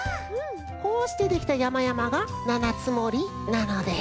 こうしてできたやまやまが七ツ森なのです。